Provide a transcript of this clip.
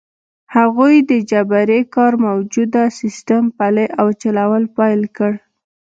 هغوی د جبري کار موجوده سیستم پلی او چلول پیل کړ.